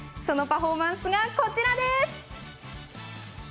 そのパフォーマンスがこちらです。